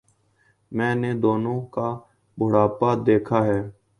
میں نے دونوں کا بڑھاپا دیکھا ہے۔